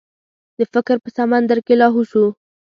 د فکر په سمندر کې لاهو شو.